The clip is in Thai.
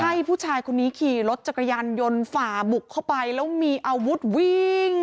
ใช่ผู้ชายคนนี้ขี่รถจักรยานยนต์ฝ่าบุกเข้าไปแล้วมีอาวุธวิ่ง